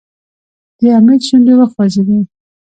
د حميد شونډې وخوځېدې.